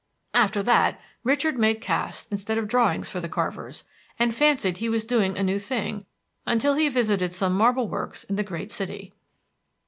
After that, Richard made casts instead of drawings for the carvers, and fancied he was doing a new thing, until he visited some marble works in the great city.